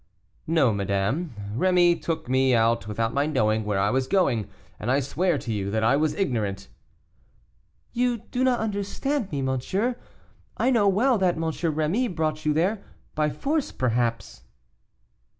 "No, madame; Rémy took me out without my knowing where I was going, and I swear to you that I was ignorant " "You do not understand me, monsieur, I know well that M. Rémy brought you there, by force, perhaps."